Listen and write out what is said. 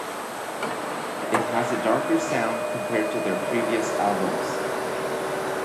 It has a darker sound compared to their previous albums.